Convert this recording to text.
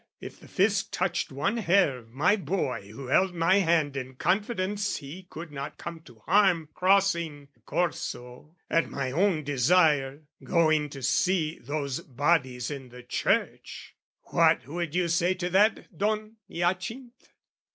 if the Fisc Touched one hair of my boy who held my hand In confidence he could not come to harm Crossing the Corso, at my own desire, Going to see those bodies in the church What would you say to that, Don Hyacinth?